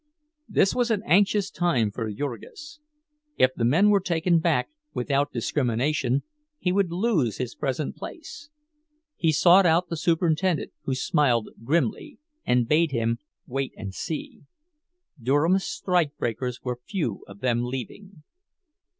This was an anxious time for Jurgis. If the men were taken back "without discrimination," he would lose his present place. He sought out the superintendent, who smiled grimly and bade him "wait and see." Durham's strikebreakers were few of them leaving.